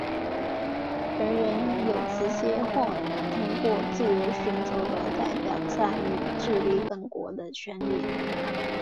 人人有直接或通过自由选择的代表参与治理本国的权利。